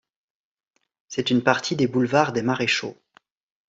C'est une partie des boulevards des Maréchaux.